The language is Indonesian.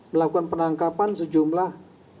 melakukan penangkapan sejumlah